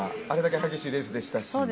あれだけ激しいレースでしたし。